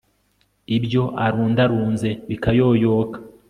ibyo arundarunze bikayoyoka